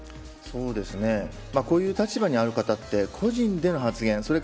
こういう立場にある方は個人での発言